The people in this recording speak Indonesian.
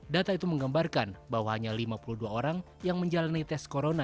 data itu menggambarkan bahwa hanya lima puluh dua orang yang menjalani tes corona